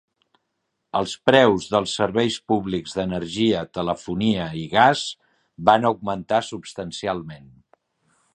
Els preus dels serveis públics d'energia, telefonia i gas van augmentar substancialment.